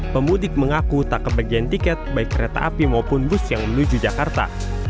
pemudik mengaku tak kebagian tiket baik kereta api maupun bus yang menuju jakarta